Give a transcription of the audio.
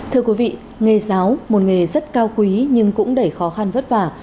thưa quý vị nghề giáo một nghề rất cao quý nhưng cũng đầy khó khăn vất vả